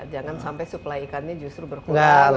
jangan sampai supply ikannya justru berkoordinasi